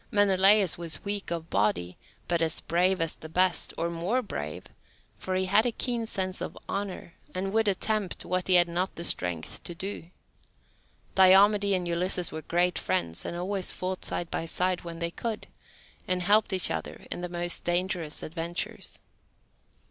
Menelaus was weak of body, but as brave as the best, or more brave, for he had a keen sense of honour, and would attempt what he had not the strength to do. Diomede and Ulysses were great friends, and always fought side by side, when they could, and helped each other in the most dangerous adventures.